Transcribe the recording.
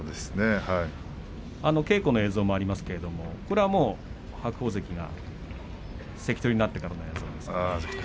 稽古の映像もありますけれどもこれは白鵬関が関取になってからの映像です。